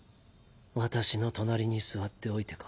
私の隣に座っておいてか。